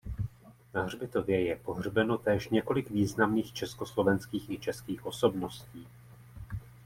Na hřbitově je pohřbeno též několik významných československých i českých osobností.